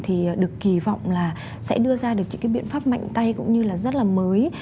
thì được kỳ vọng là sẽ đưa ra được những cái biện pháp mạnh tay cũng như là rất là mới